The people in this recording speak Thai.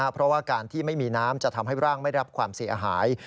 เพราะว่าการที่ไม่มีน้ำจะทำให้ร่างไม่รับความเสียหาย